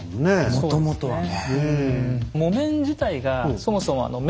もともとはね。